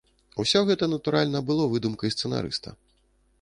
Усё гэта, натуральна, было выдумкай сцэнарыста.